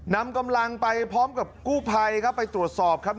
นำกำลังไปพร้อมกับกู้ภัยครับไปตรวจสอบครับ